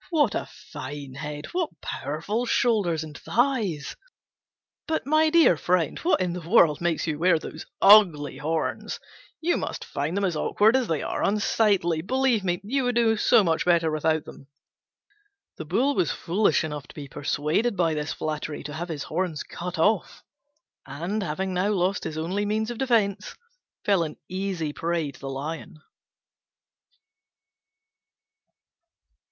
What a fine head! What powerful shoulders and thighs! But, my dear friend, what in the world makes you wear those ugly horns? You must find them as awkward as they are unsightly. Believe me, you would do much better without them." The Bull was foolish enough to be persuaded by this flattery to have his horns cut off; and, having now lost his only means of defence, fell an easy prey to the Lion.